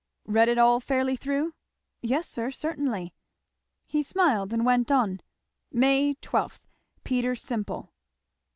"Read it all fairly through?" "Yes sir, certainly." He smiled and went on. 'May 12. Peter Simple!'